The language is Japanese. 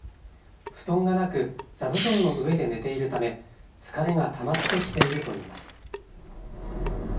布団がなく座布団の上で寝ているため疲れがたまってきているといいます。